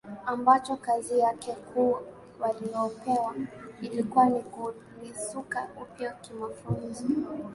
ambacho kazi yake kuu waliyopewa ilikuwa ni kulisuka upya kimafunzo